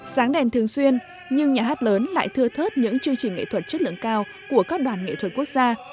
sáng đèn thường xuyên nhưng nhà hát lớn lại thưa thớt những chương trình nghệ thuật chất lượng cao của các đoàn nghệ thuật quốc gia